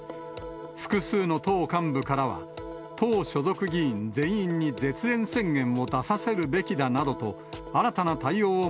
複数の党幹部からは、党所属議員全員に絶縁宣言を出させるべきだなどと、新たな対応を